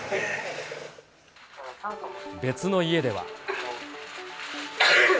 別の家では。